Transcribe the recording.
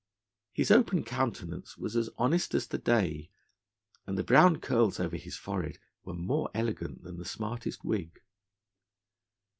His open countenance was as honest as the day, and the brown curls over his forehead were more elegant than the smartest wig.